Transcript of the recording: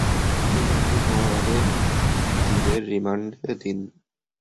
উনাকে পনের দিনের রিমান্ড দিন।